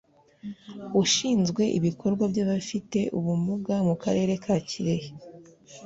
ushinzwe ibikorwa by’abafite ubumuga mu Karere ka Kirehe